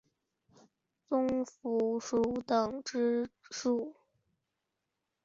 棕蝠属等之数种哺乳动物。